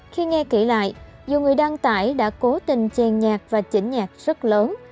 khi nghe kỹ lại dù người đăng tải đã cố tình chèn nhạc và chỉnh nhạc rất lớn